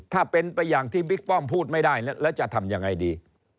ถ้าเป็นไปอย่างที่บิ๊กป้อมพูดไม่ได้แล้วจะทำยังไงดี